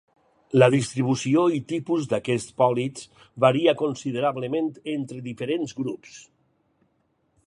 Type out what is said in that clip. La distribució i tipus d'aquests pòlips varia considerablement entre diferents grups.